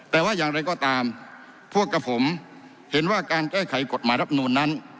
แต่ว่าอย่างไรก็ตามพวกกับผมเห็นว่าการแก้ไขกฎหมายรับนูนนั้น